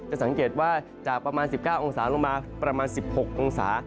สังเกตว่าจากประมาณ๑๙องศาลงมาประมาณ๑๖องศา